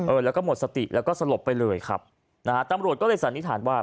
เออแล้วก็หมดสติแล้วก็สลบไปเลยครับนะฮะตำรวจก็เลยสันนิษฐานว่า